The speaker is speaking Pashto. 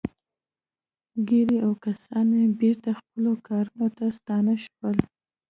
ګيري او کسان يې بېرته خپلو کارونو ته ستانه شول.